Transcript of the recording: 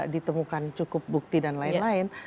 ditemukan cukup bukti dan lain lain